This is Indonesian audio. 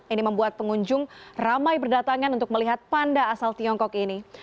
ini membuat pengunjung ramai berdatangan untuk melihat panda asal tiongkok ini